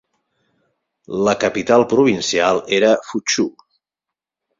La capital provincial era Fuchū.